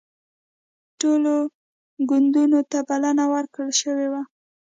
ټولو ګوندونو ته بلنه ورکړل شوې وه